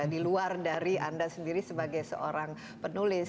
di luar dari anda sendiri sebagai seorang penulis